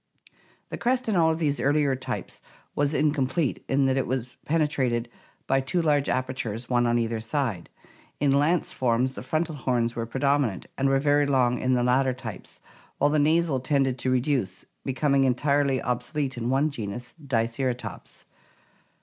The crest in all of these earlier types was incomplete in that it was penetrated by two large apertures, one on either side. In Lance forms the frontal horns were predominant, and were very long in the later types, while the nasal tended to reduce, becoming en tirely obsolete in one genus, Diceratops.